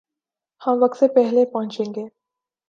ہم وقت سے پہلے پہنچیں گے